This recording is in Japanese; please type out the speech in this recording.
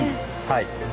はい。